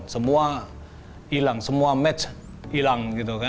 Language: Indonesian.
semua hilang semua match hilang